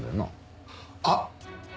あっ！